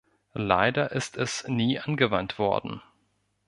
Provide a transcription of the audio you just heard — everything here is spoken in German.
Leider ist es nie angewandt worden.